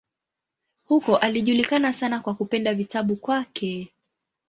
Huko alijulikana sana kwa kupenda vitabu kwake.